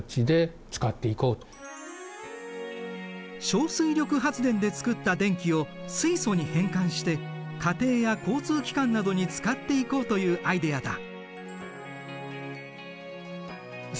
小水力発電で作った電気を水素に変換して家庭や交通機関などに使っていこうというアイデアだ。